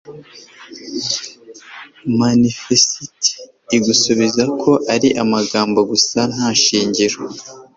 manifesite igasubiza ko ari amagambo gusa nta shingiro